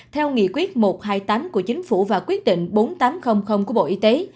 theo nghị quyết một trăm hai mươi tám của chính phủ và quyết định bốn nghìn tám trăm linh của bộ y tế